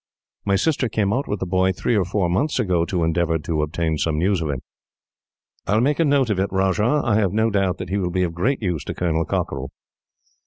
My sister came out with the boy, three or four months ago, to endeavour to obtain some news of him." "I will make a note of it, Rajah. I have no doubt that he will be of great use to Colonel Cockerell."